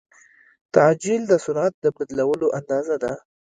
تعجیل د سرعت د بدلون اندازه ده.